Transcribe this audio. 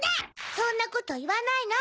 そんなこといわないの！